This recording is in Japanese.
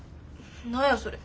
何やそれ。